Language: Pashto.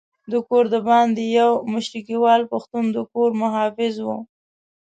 د کور دباندې یو مشرقیوال پښتون د کور محافظ وو.